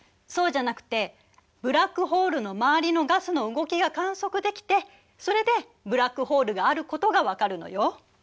そうじゃなくてブラックホールの周りのガスの動きが観測できてそれでブラックホールがあることがわかるのよ。